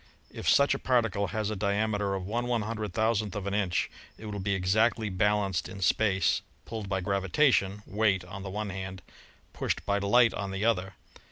If such a particle has a diameter of Vkmood °f an * ncn it will be exactly baianced in space, pulled by gravitation (weight) on the one hand, pushed by light on the other.